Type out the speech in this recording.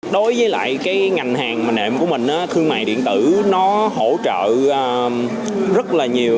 đối với lại cái ngành hàng mà nệm của mình thương mại điện tử nó hỗ trợ rất là nhiều